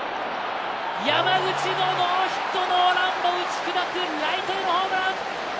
山口のノーヒットノーランを打ち砕くホームラン！